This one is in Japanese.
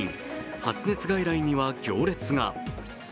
発熱外来には行列が。